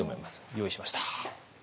用意しました。